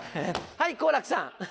はい好楽さん。